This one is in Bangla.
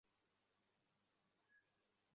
আমাদেরকে আফগানিস্তান যেতে হবে।